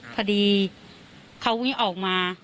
พอดีเขาวิ่งออกมา